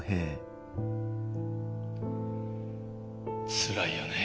つらいよねえ。